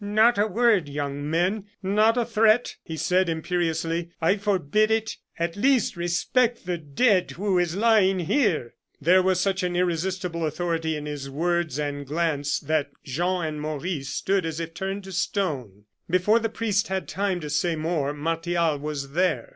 "Not a word, young men, not a threat!" he said, imperiously. "I forbid it. At least respect the dead who is lying here!" There was such an irresistible authority in his words and glance, that Jean and Maurice stood as if turned to stone. Before the priest had time to say more, Martial was there.